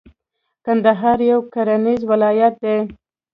کندهار یو کرنیز ولایت دی.